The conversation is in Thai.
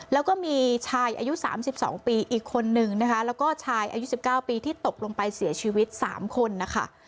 แล้วก็มีชายอายุสามสิบสองปีอีกคนนึงนะคะแล้วก็ชายอายุสิบเก้าปีที่ตกลงไปเสียชีวิตสามคนนะคะ